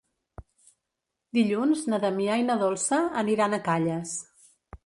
Dilluns na Damià i na Dolça aniran a Calles.